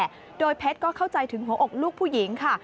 และโดยเพชรก็เข้าใจถึงหัวอกลูกผู้หญิงค่ะ